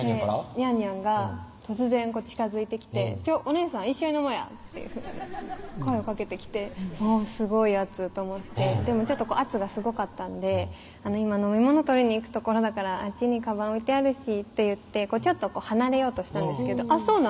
にゃんにゃんが突然近づいてきて「お姉さん一緒に飲もうや」っていうふうに声をかけてきてすごい圧と思ってでも圧がすごかったんで「今飲み物取りに行くところだからあっちにカバン置いてあるし」って言ってちょっと離れようとしたんですけど「あっそうなん？